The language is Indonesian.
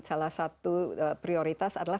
salah satu prioritas adalah